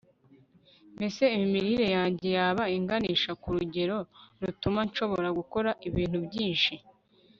mbese imirire yanjye yaba inganisha ku rugero rutuma nshobora gukora ibintu byinshi